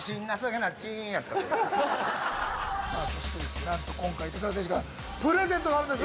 なんと今回板倉選手からプレゼントがあるんです！